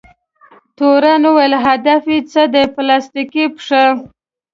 تورن وویل: هدف دې څه دی؟ پلاستیکي پښه؟